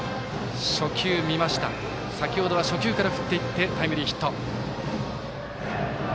先ほどは初球から振っていってタイムリーヒット。